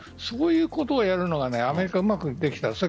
そういうことをやるのがアメリカはうまくできた。